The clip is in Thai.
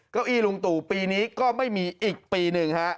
เก้าอี้ลุงตู่ปีนี้ก็ไม่มีอีกปีหนึ่งฮะ